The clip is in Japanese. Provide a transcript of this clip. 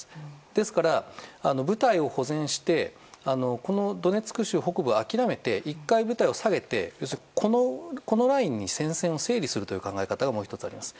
ですから部隊を保全してドネツク州北部を諦めて１回部隊を下げて、このラインに戦線を整理するという考え方がもう１つあります。